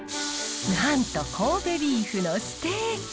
なんと神戸ビーフのステーキ。